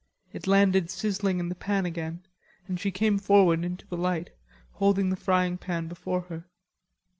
It landed sizzling in the pan again, and she came forward into the light, holding the frying pan before her.